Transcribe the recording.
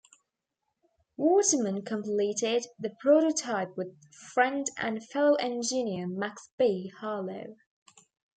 Waterman completed the prototype with friend and fellow engineer, Max B. Harlow.